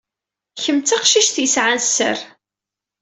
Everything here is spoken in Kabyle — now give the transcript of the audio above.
Kemm d taqcict yesɛan sser.